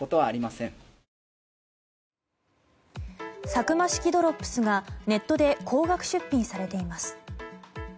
サクマ式ドロップスがネットで高額出品されています。